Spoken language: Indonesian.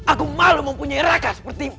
aku malu mempunyai raka sepertimu